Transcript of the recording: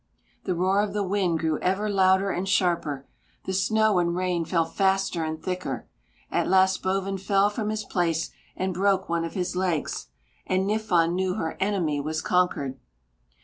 The roar of the wind grew ever louder and sharper; the snow and rain fell faster and thicker; at last Bovin fell from his place and broke one of his legs, and Niffon knew her enemy was conquered.